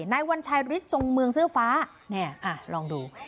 นายวัญชัยฤทธทรงเมืองเสื้อฟ้าเนี่ยลองดู